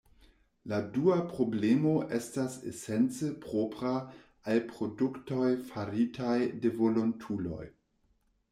La dua problemo estas esence propra al produktoj faritaj de volontuloj.